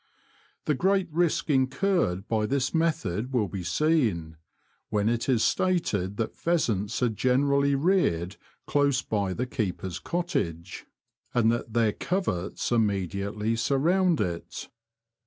The great risk incurred by this method will be seen, when it is stated that pheasants are generally reared close by the keeper's cottage, and that their coverts immedi ately surround it.